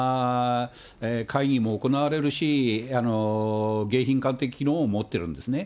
会議も行われるし、迎賓館的機能も持ってるんですね。